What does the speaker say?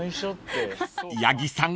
［八木さん